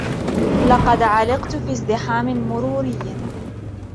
لقد علقت في ازدحام مروري.